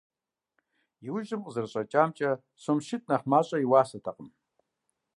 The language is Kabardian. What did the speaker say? Иужьым къызэрыщӀэкӀамкӀэ, сом щитӀ нэхъ мащӀэ и уасэтэкъым.